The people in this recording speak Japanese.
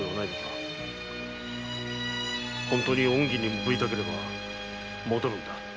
本当に恩義に報いたければ戻るんだ。